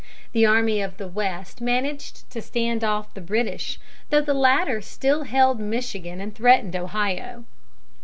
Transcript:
The army of the West managed to stand off the British, though the latter still held Michigan and threatened Ohio.